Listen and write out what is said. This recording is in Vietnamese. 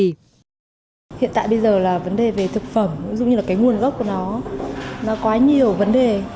hiện tại bây giờ là vấn đề về thực phẩm dùng như là cái nguồn gốc của nó nó có nhiều vấn đề